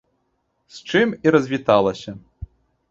З чым і развіталася.